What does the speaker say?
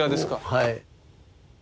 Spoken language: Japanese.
はい。